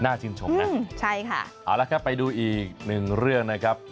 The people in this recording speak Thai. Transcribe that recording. ชื่นชมนะใช่ค่ะเอาละครับไปดูอีกหนึ่งเรื่องนะครับ